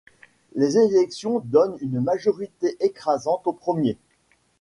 Les élections donnent une majorité écrasante aux premiers.